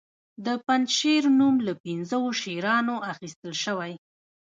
د پنجشیر نوم له پنځو شیرانو اخیستل شوی